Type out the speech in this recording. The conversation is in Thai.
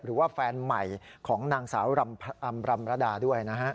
หรือว่าแฟนใหม่ของนางสาวอำรำระดาด้วยนะฮะ